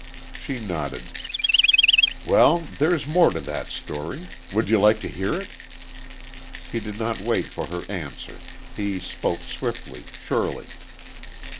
She nodded. "Well, there's more to that story. Would you like to hear it?" He did not wait for her answer; he spoke swiftly, surely.